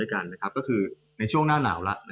ก็คือในช่วงหน้าหนาว